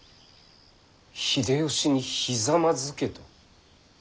秀吉にひざまずけと？